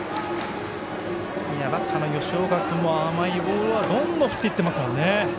バッターの吉岡君も甘いボールはどんどん振っていっていますからね。